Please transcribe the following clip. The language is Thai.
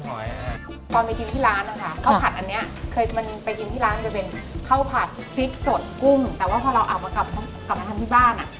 แต่ว่าพอเราออกมากลับมาที่บ้าน